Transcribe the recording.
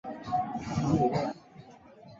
其实我们都有做了